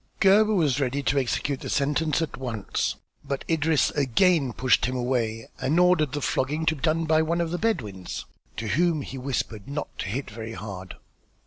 Gebhr was ready to execute the sentence at once but Idris again pushed him away and ordered the flogging to be done by one of the Bedouins, to whom he whispered not to hit very hard.